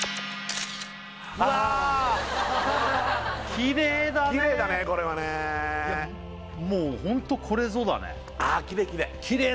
きれいだねきれいだねこれはねもうホントこれぞだねきれいきれい！